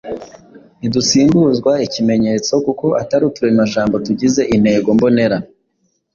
ntidusimbuzwa ikimenyetso kuko atari uturemajambo tugize intego mbonera.